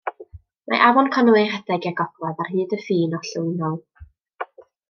Mae Afon Conwy yn rhedeg i'r gogledd ar hyd y ffin orllewinol.